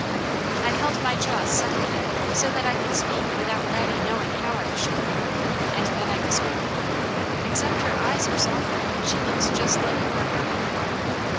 I held my jaws set a minute, so that I could speak without Laddie knowing how I was shivering, and then I whispered: "Except her eyes are softer, she looks just like a cardinal."